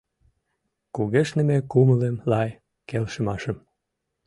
Кугешныме кумылым, лай келшымашым